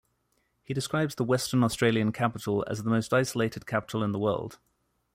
He describes the Western Australian capital as "the most isolated capital in the world".